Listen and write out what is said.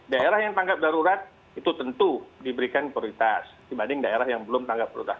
daerah yang tanggap darurat itu tentu diberikan prioritas dibanding daerah yang belum tanggap prioritas